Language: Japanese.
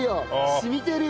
染みてるよ